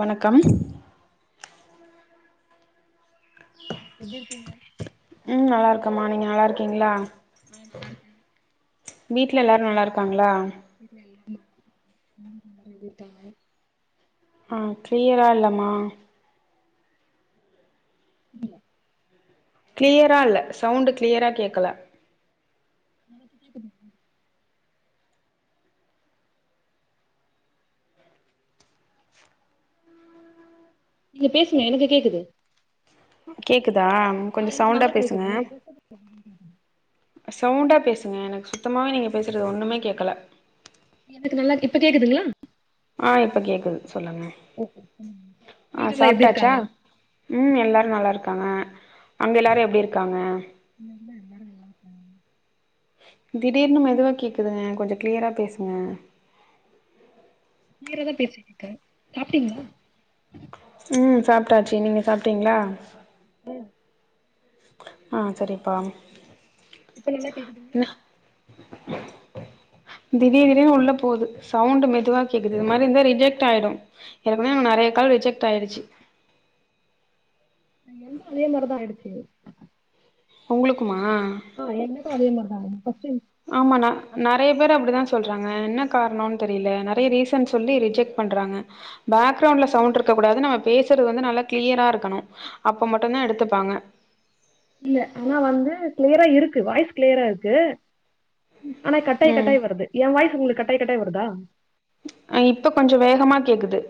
வணக்கம் எப்டி இருகீங்க ம் நல்லா இருக்கேமா நீங்க நல்லா இருக்கீங்ளா நா நல்லா இருக்கே வீட்ல எல்லாரு நல்லா இருக்காங்ளா [inaudible] எப்டி இருக்காங்க ஆ க்ளியரா இல்லமா க்ளியரா இல்ல சவுண்ட் க்ளியரா கேக்கல [inaudible] நீங்க பேசுங்க எனக்கு கேக்குது கேக்குதா ஆ கொஞ்சோ எனக்கு சவுண்டா நல்லா பேசுங்க கேக்குது [inaudible] சவுண்டா பேசுங்க எனக்கு சுத்தமாவே நீங்க பேஸ்றது ஒண்ணுமே கேக்கல எனக்கு நல்லா கேக் இப்ப கேக்குதுங்ளா ஆ இப்ப கேக்குது சொல்லுங்க ஓகே சொல்லுங்க ஆ வீட்லல்லா எப்டி சாப்ட்டாச்சா இருக்காங்க ம் எல்லாரு நல்லா இருக்காங்க அங்க எல்லாரு எப்டி இருக்காங்க இங்க எல்லாரு நல்லா இருக்காங்க திடீர்னு மெதுவா கேக்குதுங்க கொஞ்சோ க்ளியரா பேசுங்க க்ளியராதா பேசிட்ருக்கே சாப்டிங்ளா ம் சாப்ட்டாச்சு நீங்க சாப்ட்டிங்ளா ம் ஆ செரிப்பா இப்ப நல்லா கேக்குதுங்ளா திடீர் திடீர்னு உள்ள போது சவுண்ட் மெதுவா கேக்குது இத மாரி இருந்த ரிஜட் ஆயிடு ஏர்கனவே நெறைய கால் ரிஜக்ட் ஆய்டுச்சி என்து அதே மாரி தா ஆயிடுச்சு உங்குளுக்குமா ஆ எனக்கு அதே மாரி தா ஃ பஸ்ட் ஆமான்னா நெறையா பேர் அப்டித்தான் சொல்றாங்க என்ன காரணோனு தெரில நெறைய ரீசன் சொல்லி ரிஜெக்ட் பண்றாங்க பேக் ரவுண்ட்ல சவுண்ட் இருக்க கூடாது நம்ம பேசுறது வந்து நல்லா கிளியரா இருக்கணும் அப்ப மட்டும் தா எடுத்துப்பாங்க இல்ல ஆனா வந்து கிளியரா இருக்கு வாய்ஸ் கிளியரா இருக்கு ஆனா கட்டாய் ம் கட்டாய் வருது என் வாய்சு உங்குளுக்கு கட்டாய் கட்டாய் வருதா அ இப்ப கொஞ்சோ வேகமா கேக்குது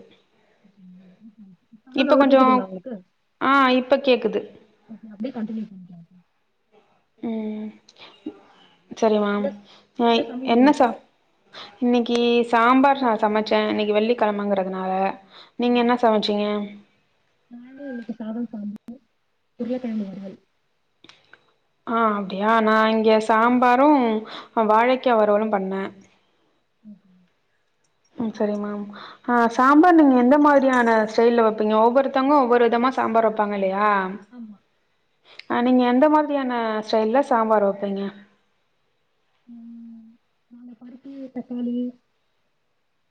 இப்ப நல்லா கொஞ்சோ கேக்குதுங்களா உங்குளுக்கு ஆ இப்ப கேக்குது அப்டியே கன்டினியூ பண்ணிகோங்க ம் செரிமா என்ன அ சமையல் என்ன இன்னைக்கு சாப் இன்னிக்கி சாம்பார் நா சமைச்சே இன்னிக்கி வெள்ளிக்கெழமைங்குறதுனால நீங்க என்ன சமைச் சிங்க நானும் இன்னிக்கி சாதம் சமச்சே உருளக்கெழங்கு வருவல் ஆ அப்டியா நா இங்க சாம்பாரும் வாழைக்கா வருவலும் பண்ணே ம்ஹ்ம். ம் செரி மா ஆ சாம்பாரு நீங்க எந்த மாரியான ஸ்டைல்ல வைப்பீங்க ஒவ்வொருத்தவங்க ஒவ்வொரு விதமா சாம்பார் வைப்பாங்க இல்லயா ஆமா அ நீங்க எந்த மாதிரியான ஸ்டைல்ல சாம்பார் வைப்பீங்க ம் அந்த பருப்பு தக்காளி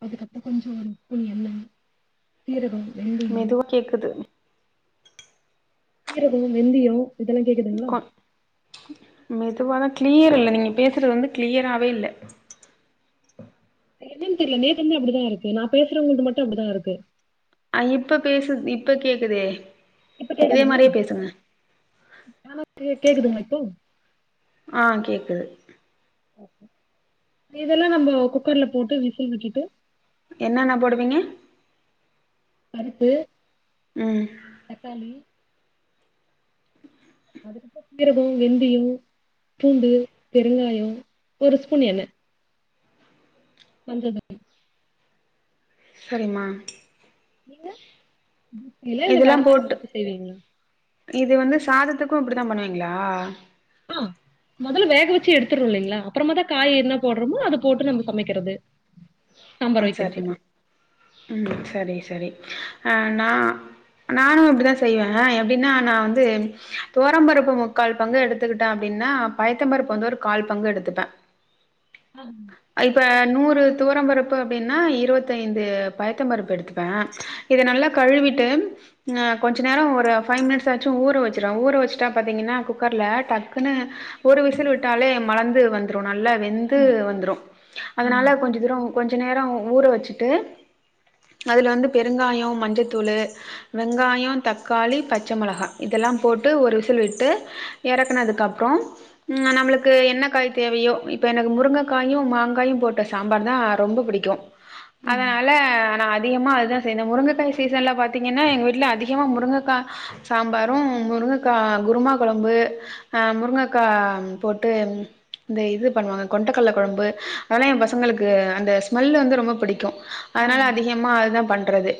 அதுக்கப்றோ கொஞ்சோ ஒரு உப்பு எண்ணெ சீரகம் வெந்தயம் மெதுவா கேக்குது சீரகோ வெந்தியோ இதெல்லா கேக்குதுங்களா கொ மெதுவா தா கிளியர் இல்ல நீங்க பேசுறது வந்து கிளியராவே இல்ல என்னனு தெரில நேத்துலருந்தே அப்டிதா இருக்கு நா பேசுறவங்கள்ட்ட மட்டும் அப்டிதான் இருக்கு அ இப்ப பேசு இப்ப கேக்குதே இப்ப இதே கேக்குதுங்களா மாரியே பேசுங்க ஆ கேக்குதுங்களா இப்போ ஆ கேக்குது இதெல்லா நம்ம குக்கர்ல போட்டு விசில் விட்டுட்டு என்னென்ன போடுவீங்க பருப்பு ம் தக்காளி அதுக்கப்றோ சீரகோ வெந்தியோ பூண்டு பெருங்காயோ ஒரு ஸ்பூன் எண்ணெ மஞ்சத் [inaudible] செரிமா நீங்க இல்லல்ல இதெல்லா வேற மாரி போட்டு மாத்தி செய்வீங்ளா இது வந்து சாதத்துக்கு இப்டித்தா பண்ணுவீங்ளா அ மொதல்ல வேக வெச்சு எடுத்துரோ இல்லிங்ளா அப்றமா தா காய் எதுனா போட்றோமோ அத போட்டு நம்ம சமைக்கிறது ஆ சாம்பார் வைக்கிறதுக்கு. சரிமா ம் சரி சரி அ நா நானு அப்டிதா செய்வே எப்டின்னா நா வந்து துவரம்பருப்பு முக்கால் பங்கு எடுத் துக்கிட்டோ அப்டின்னா பய்த்தம் பருப்பு வந்து ஒரு கால் பங்கு எடுத்துப்பே அ இப்ப நூறு துவரம் பருப் பு அப்டின்னா இருவத்தைந்து பய்த்த பருப்பு எடுத்துப்பே இத நல்லா கழுவிட்டு அ கொஞ்ச நேரோ ஒரு ஃபைவ் மினிட்ஸ் ஆச்சு ஊற வெச்சிடுவே ஊற வெச்சுட்டா பாத்தீங்கன்னா குக்கர்ல ட ப்புனு ஒரு சீக்கிரம் விசில் வெந்துரும். விட்டாலே மலந்து வந்துரு நல்லா வெந்து ஆமா. வந்துரு ஆ. அதனால கொஞ்ச தூர கொஞ்ச நேரோ ஊற வெச்சிட்டு அதுல வந்து பெருங்காயோ மஞ்சத்தூளு வெங்காயோ தக்காளி பச்ச மெளகா இதெல்லா போட்டு ஒரு விசில் விட்டு எறக்குனதுக்கு அப்றோ ம் நம்மளுக்கு என்ன காய் தேவயோ இப்ப எனக்கு முருங்கக்காயு மாங்காயு போட்ட சாம்பார் தா ரொம்ப புடிக்கு ம். அதனால நா அ திகமா இதா செய்னே முருங்கக்காய சீசன்ல பாத்தீங்கன்னா எங்க வீட்ல அதிகமா முருங்கக்கா சாம்பாரு முருங்கக்கா குருமா கொழம்பு அ முருங்கக்கா போட்டு இந்த இது பண்ணுவாங்க கொண்டக்கல்ல கொழம்பு அதெல்லா எ பசங்களுக்கு அந் த ஸ்மெல் வந்து ரொம்போ புடிக்கு அதனால ம். அதிகமா அதா பண்றதே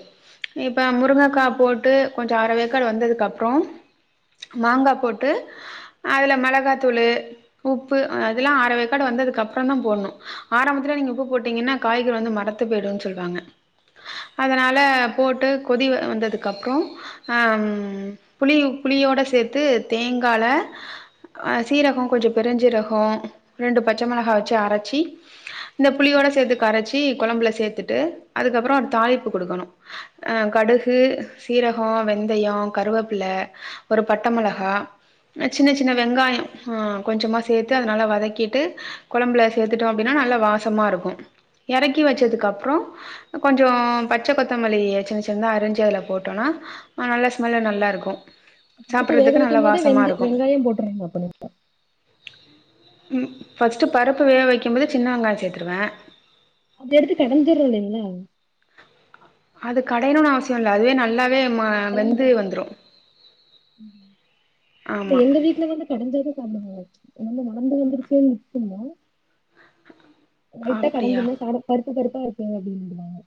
இப்ப முருங்கக்கா போட்டு கொஞ்ச அரவேக்காடு வெந்ததுக்கு அப்றோ மாங்கா போட்டு அதுல மெளகாத்தூளு உப்பு அ அதெல்லா ஆரவேக்காடு வந்ததுக்கப்பறந்தா போடணு ஆரம்பத்துல நீங்க உப்பு போட்டீங்கன்னா காய்கறி வந்து மரத்து போய்டுன் சொல்வாங்க அதனால போட்டு கொதி வந்ததுக்கப்றோ அம் புளி புளியோட சேத்து தேங்கால அ சீரகோ கொஞ்ச பெருஞ்சீரகோ ரெண்டு பச்சை மெளகா வெச்சு அரச்சி இந்த புளியோட சேத்து கரச்சி கொழம்புல சேத்துட்டு அதுக்கப்பறோ ஒரு தாளிப்பு குடுக்கணு அ கடுகு சீரகோ வெந்தயோ கருவேப்பில ஒரு பட்டமிளகா சின்ன சின்ன வெங்காயோ அ கொஞ்சமாக சேத்து அத நல்ல வதக்கிட்டு கொழம்புல சேத்துட்டோ அப்டின்னா நல்லா வாசமா இருக்கு எறக்கி வெச்சதுக்கப்றோ கொஞ்சோ பச்ச கொத்தமல்லி சின்ன சின்னதா அரஞ்சி அதுல போட்டோனா ஆ நல்லா ஸ்மெல்லு நல்லா இருக்கு பருப்பு வேக சாப்புட்றதுக்கு வைக்குமோதே வெந்து வெங்காயோ போட்ருங் அப் பண் உம் ஃபர்ஸ்ட்டு பருப்பு வேக வைக்கும் போதே சின்ன வெங்காயோ சேத்துருவே அது எடுத்து கடஞ்சிறோ இல்லைங்கள அது கடையணுனு அவசியோ இல்ல அதுவே நல்லாவே மா கலந்து இப்ப ஆமா எங்க வீட்ல வந்து கடஞ்சதது தண்ணிமார் ரொம்ப [unintelligible] வந்த [unintelligible] மா லைட்டா அப்டியா கடஞ்சிருந்தா சாதோ பருப்பு பருப்பா இருக்கு அப்டின்னுடுவாங்க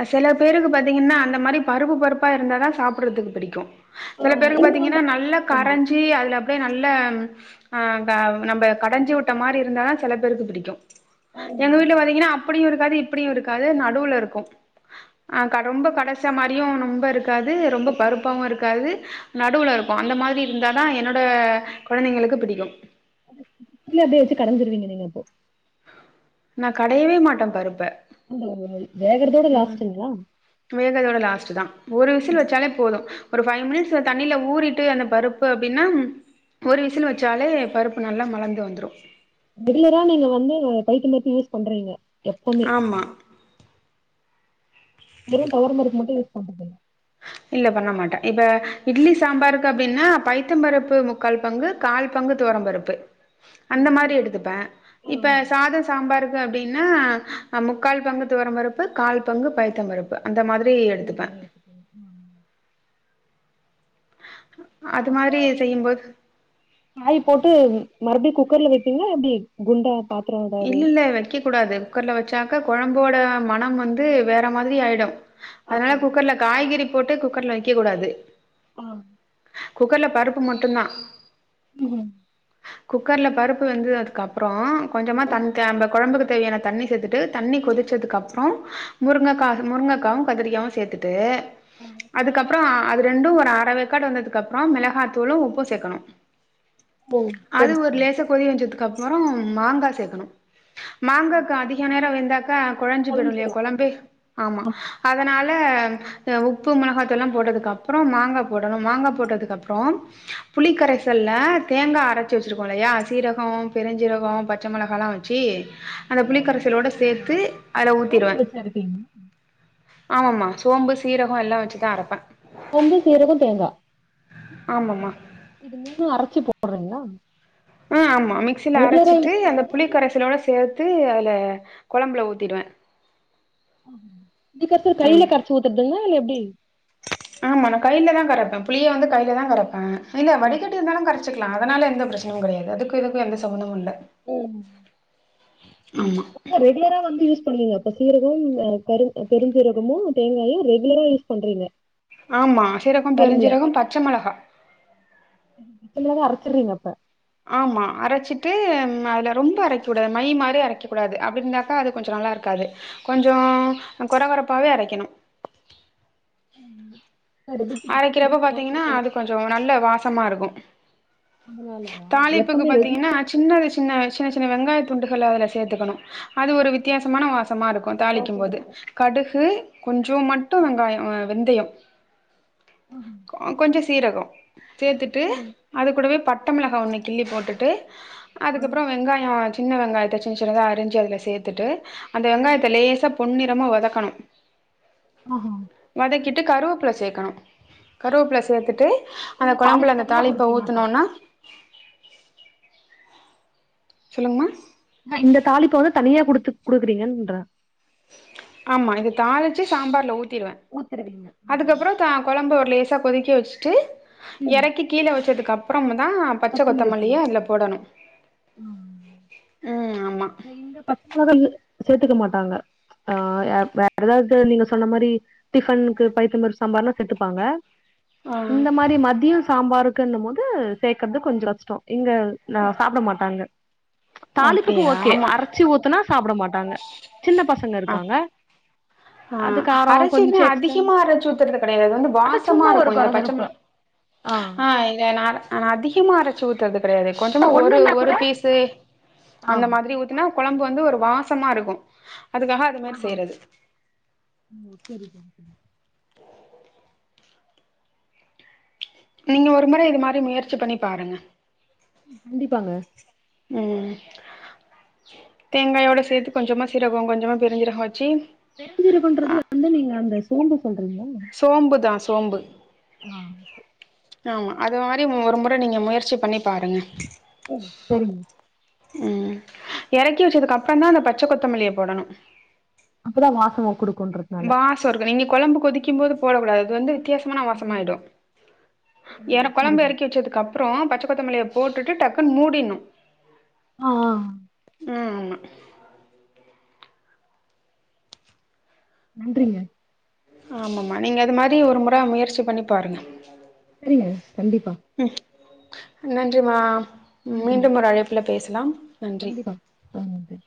ஆ செல பேருக்கு பாத்தீங்கன்னா அந்த மாரி பருப்பு பருப்பா இருந்தாதா சாப்புறதுக்கு பிடிக்கு ஆ செல பேருக்கு இங்க வந்து பாத்தீங்கன்னா நல்ல கரஞ்சி அதுல அப்டியே நல்ல ஆ க நம்ம கடைஞ்சி விட்ட மாரி இருந்தா தா செல பேருக்கு பிடிக்கு எங்க ஆமாமா. வீட்ல பாத்தீங்கன்னா அப்படியு இருக்காது இப்படியு இருக்காது நடுவுல இருக்கு அ க ரொம்ப கடைஞ்ச மாரியு ரொம்ப இருக்காது ரொம்ப பருப்பாவு இருக்காது நடுவுல இருக்கோ அந்த மாரி இருந்தா தா என்னோட குழந்தைங்களுக்கு பிடிக்கு உள்ள அப்படியே வெச்சு கடஞ்சிருவீங்க நீங்க இப்போ நா கடையவே மாட்டே பாருப்ப வேகரதோட லாஸ்ட்டுங்களா வேதகதோட லாஸ்ட்டு தா ஒரு விசில் வெச்சாலே போது ஒரு ஃபைவ் மினிட்ஸ்ஸு தண்ணில ஊறிட்டு அந்த பருப்பு அப்டின்னா ஒரு விசில் வெச்சாலே பருப்பு நல்லா மலந்து வந்துரு ரெகுலர்ரா நீங்க வந்து பைத்தம் பருப்பு யூஸ் பண்றீங்க எப்பமே ஆமா வெறு தொவரம் பருப்பு மட்டு யூஸ் பண்றதுதில்ல இல்ல பண்ண மாட்டே இப்ப இட்லி சாம்பாருக்கு அப்டின்னா பைத்தம் பருப்பு முக் கால் பங்கு கால் பங்கு துவரம்பருப்பு ஆ அந்த மாரி எடுத்துப்பே ஆ, இப்ப சாதோ சாம்பாருக்கு அப்டின்னா முக்கால் பங்கு துவரம் பருப்பு கால் பங்கு பைத்தம் பருப்பு அந்த மாதிரி அந்த எடுத்துப்பே மாரி எடுத்துக்கோங்க ஆ அது அப்போ மாரி செய்யும் போது காய் போட்டு மறுபடியு குக்கர்ல வைக்கனுமா எப்டி குண்டா பாத் இல்ல வைக்க கூடாது குக்கர்ல வச்சாக்க குழம்போட மனம் வந்து வேற மாதிரி ஆயிடு அதனால குக்கர்ல காய்கறி போட்டு குக்கர்ல வைக்க கூடாது ஆ குக்கர்ல பருப்பு மட்டுதா உம் குக்கர்ல பருப்பு வெந்துதுக்கு அப்றோ கொஞ்சமா தக்க குழம்புக்கு தேவையான தண்ணி சேத்துட் டு தண்ணி கொதிச்சதுக்கப்றோ முருங்கா அது முருங்காவு கத்திரிக்காவு சேத்துட்டு அதுக்கப்றோ அது ரெண்டு ஒரு அறவேக்காடு வந்ததுக்கு அப்புறோ மிளகாயத்தூளு உப்பு சேக்கணு ஓ அது சரி ஒரு சரி லேச கொதி வச்சதுக்கு அப்றோ மாங்கா சேக்கணு ஆ மாங்காக்கு அதிக நேரோ வெந்தாக்கா கொழஞ்சு போயிடு இல்லையா கொலஞ்சிரு கொழம்பு ஆமா அதனால து உப்பு மிளகாத்தூளு எல்லா போட்டதுக்கு அப்றோ மாங்கா போடணு மாங்கா போட்டதுக்கு அப்றோ புளிக்கரைசல்ல தேங்கா அரைச்சு வச்சிருக்கோ இல்லையா சீரகோ பெருஞ்சீரகோ பச் ச மொளகால்லா வச்சி அந்த சீரகமு புளிக்கரைசலோட சேத்து அதுல சோம்பு ஊத்திறுவே வச்சு அரைப்பீங்க ஆமாம்மா சோம்பு சீரகோ எல்லா வச்சு தா அரப்பே கொம்பு சீரகோ தேங்கா ஆம்மாமா இது மூனு அரைச்சி போடுறீங்களா ஆ ஆமா மிக்சில ரெகுலரா அரச்சிட்டு யூஸ் அந்த பண்றதா புளிக்கரசலோட சேத்து அத கொழம்புல ஊத்திடுவ ஆ ஆ இதுக்கப்போ ஆமா கையில கரச்சி ஊத்துறதுங்ளா இல்ல எப்டி ஆமா நா கையில தா கரப்ப புலிய வந்து கையில தா கரப்பே இல்ல ஆ வடிக்கட்டி இருந்தாலு கரச் ச்சிக்கலா அதனால எந்த பிரச்சனையு கெடையாது அதுக்கு இதுக்கு எந்த சம்பந்தமு இல்ல ம் ஆம்மா ரெகுலரா வந்து யூஸ் பண்ணுவீங்க இப்ப சீரகோ பெருஞ்சீரகமு தேங்காயு ரெகுலரா யூஸ் பண்றீங்க ஆம்மா சீரகோ குழம்புல பெருஞ்சீரகோ பச்ச மிளகா மொத்தமாவே அரச்சீறீங்க அப்ப ஆம்மா அரச்சிட்டு ம் அதுல ரொம்ப அரைக் கூடாது மை மாரி அரைக்க கூடாது அப்டி இருந்தாக்கா அது கொஞ்சோ நல்லா இருக்காது கொஞ்சோ கொர கொறப்பாவே அரைக்குணு அது பிச்சு பிச்சே அரைக்கிறப்ப தெரியுற மாதிரி பாத்தீங்கன்னா இருக்கணும் அது கொஞ்சோ நல்ல வாசமா இருக்கு அதனாலயா தாலிப்புக்கு எப்பவுமே ரெகுலர் பாத்தீங்கன்னா சின்னது சின்ன சின்ன சின்ன வெங்காயோ துண்டுகள அதுல சேத்துக்குணு அது ஒரு வித்தியாசமான வாசமா இருக்கு தாளிக்கு வாசம் போது கிடைக்கும் கடுகு கொஞ்சோமா மட்டு வெங்காயோ வெந்தையோ கொஞ்சோ சீரகோ சேத்துட்டு ம், அது கூடவே வட்டமிளகா ஒன்னு கிள்ளி போட்டுட்டு ஆ, அதுக்கப்றோ வெங்காயோ வச் சின்ன வெங்காயத்த சின்ன சின்னதா அரிஞ்சி அதுல சேத்துட்டு அந்த ஆ. வெங்காயத்த லேசா பொன்னிறமா வதக்கணு ஆஹு வதக்கிட்டு கருவேப்பில சேக்குணு கருவேப்பில சேத்துட்டு அந்த இது தாளிப்பு கொழம்புல அந்த தனியா தாலிப்ப கொடுப்பீங்க அப்போ ஊத்தனோன்னா சொல்லுங்கம்மா இந்த தாலிப்ப வந்து தனியா குடுத்து குடுக்குறீங்கன்ற ஆம்மா இது தாளிச்சு சாம்பார்ல ஊத்திடுவ ஊத்துருவீங்க அதுக்கப்றோ கொழம்பு ஒரு லேசா கொதிக்க வச்சுட்டு ம், இறக்கி கீழ வச்சதுக்கு அப்புறம் தா பச்ச கொத்தமல்லி அதுல போடணு ம் ஆமா இங்க பச்ச மொளகா சேத்துக்க மாட்டாங்க ஆ எ வேற எதாவுது நீங்க சொன்ன மாரி டிஃபனுக்கு பைத்தம்பருப்பு சாம்பார்ல சேத்துப்பாங்க ஆ இந்த மாரி மதியோ சாம்பாருக்குன்னும் போது சேக்கற்து கொஞ்சோ கஷ்டோ இங்க நா சாப்பட மாட்டாங்க தாலிப்புக்கு அப்டியா ஓ ஆமா ச்சி ஊத்துனா சாப்பட மாட்டாங்க சின்ன பசங்க அப் இருக்காங்க ஆ அது காரோ அரச்சீங்னா கொஞ்சோ எக்ஸ்டன் அதிகமா அரச்சு ஊத்துறது கெடையாது அது வந்து அதா சும்மா ஒரு வாசமாருக்கு இந்த பச்சமிள கொரகொரப்பு ஆ இத நாற நா அதிகமா அரச்சு ஊத்துறது கெடையாது கொஞ்சமா ஒரு ஒண்ணுன்னா ஒரு கூட பீஸு ஆ அந்த மாதிரி ஊத் தின்னா கொழம்பு வந்து ஒரு வாசமாருக்கு அதுக்காக அது மேரி செய்றது ஓ செரி செரி செரி நீங்க ஒரு முற இது மாரி முயற்சி பண்ணி பாருங்க கண்டிப்பாங்க ம் தேங்காயோட சேத்து கொஞ்சமா சீரகோ கொஞ்சமா பெருஞ்சீரகோ வச்சி பெருஞ்சீரகோன்றது வந்து நீங்க அந்த சோம்ப சொல்றீங்ளா சோம்பு தா சோம்பு ஆ ஆமா அது மாரி ஒரு முற நீங்க முயற்சி பண்ணி பாருங்க ம் செரிங்க ம் எறக்கி வச்சதுக்ப்பரந்தா அந்த பச்ச கொத்தமல்லிய போடணு அப்பதா வாசோ குடுக்குன்றத்னால ச்சோர்கு நீங்க கொழம்பு கொதிக்கும் போது போடக் கூடாது அது வந்து வித்யாசமான வாசமாய்டு ம் எனா சரி கொழம்பு சரி எறக்கி வச்சதுக் கப்றோ பச்ச கொத்தமல்லிய போட்டுட்டு டக்குன் மூடிர்னு ஆ ம் ஆமா நன்றிங்க ஆமம்மா நீங்க அது மாரி ஒரு முற முயற்சி பண்ணி பாருங்க செரிங்க கண்டிப்பா ம் நன்றிமா நன்றி மீண்டும் ஒரு அழைப்புல பேசலாம் நன்றி கண்டிப்பா தோழி நன்றி